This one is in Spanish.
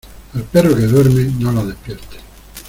Al perro que duerme, no lo despiertes.